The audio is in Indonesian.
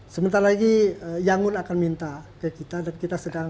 sebentar lagi yangon akan minta ke kita dan kita sedang